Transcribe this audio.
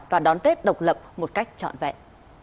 và đón tết độc lập một cách trọn vẹn